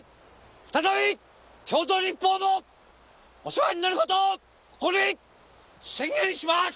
再び京都日報のお世話になる事をここに宣言します！